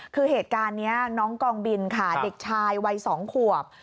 คือเหตุการณ์นี้น้องกองบินค่ะเด็กชายวัย๒ขวบ